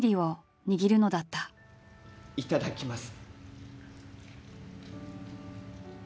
いただきます。